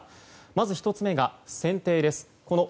まず１つ目が船底です。